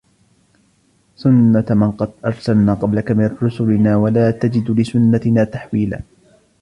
سُنَّةَ مَنْ قَدْ أَرْسَلْنَا قَبْلَكَ مِنْ رُسُلِنَا وَلَا تَجِدُ لِسُنَّتِنَا تَحْوِيلًا